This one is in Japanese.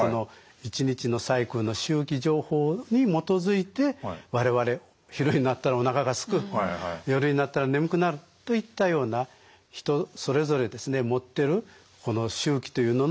一日のサイクルの周期情報に基づいて我々昼になったらおなかがすく夜になったら眠くなるといったような人それぞれ持ってるこの周期というのの根源になってると考えられています。